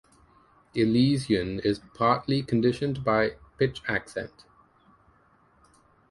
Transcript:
Elision is partly conditioned by pitch accent.